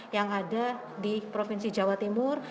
yang ada di provinsi jawa timur